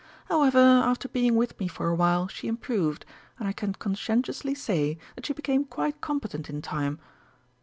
However, after being with me for a while, she improved, and I can conscientiously say that she became quite competent in time.